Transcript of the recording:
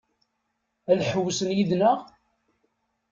Ad ḥewwsen yid-neɣ?